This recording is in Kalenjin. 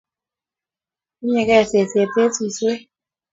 Unyekei seset eng suswek